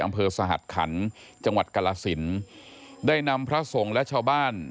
อำเภอสหัสขันจังหวัดกรสินได้นำพระสงฆ์และชาวบ้าน